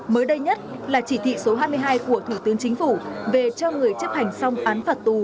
mới đây nhất là chỉ thị số hai mươi hai của thủ tướng chính phủ về cho người chấp hành xong án phạt tù